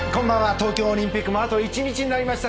東京オリンピックもあと１日になりました。